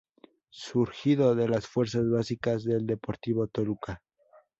Surgido de las fuerzas básicas del Deportivo Toluca.